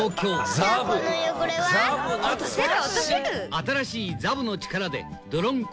新しいザブの力で泥んこ